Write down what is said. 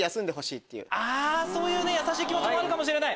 そういう優しい気持ちもあるかもしれない。